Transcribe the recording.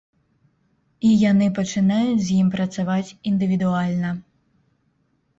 І яны пачынаюць з ім працаваць індывідуальна.